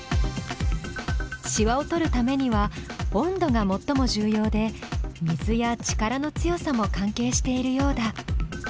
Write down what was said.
しわを取るためには温度が最も重要で水や力の強さも関係しているようだ。